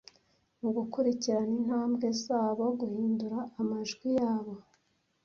mugukurikirana intambwe zabo guhindura amajwi yabo